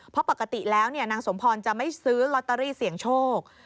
เพราะปกติแล้วนางสมพรจะไม่ซื้อลอตเตอรี่เสี่ยงโชค